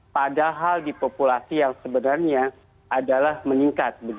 padahal di populasi yang sebenarnya adalah meningkat